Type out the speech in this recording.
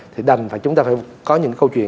thì đành phải chúng ta phải có những câu chuyện